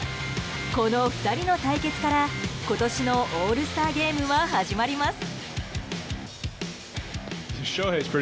この２人の対決から今年のオールスターゲームは始まります。